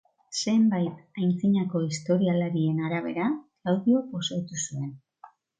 Zenbait antzinako historialarien arabera, Klaudio pozoitu zuen.